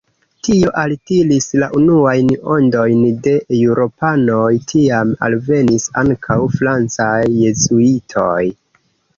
Tio altiris la unuajn ondojn de eŭropanoj, tiam alvenis ankaŭ francaj jezuitoj.